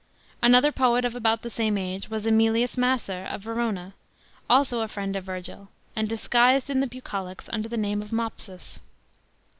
Another poet of about the same age was ^EMILIUS MACER of Verona, also a friend of Virgil, and disguised in the Bucolics under the name of Mopsus.